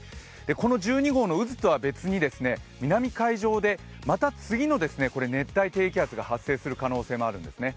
この１２号の渦とは別に南海上で、また次の熱帯低気圧が発生する可能性もあるんですね。